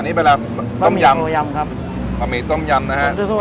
อันนี้เวลาต้มยำต้มยำครับต้มยำนะฮะครึ่งทั่ว